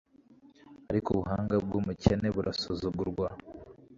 ariko ubuhanga bw'umukene burasuzugurwa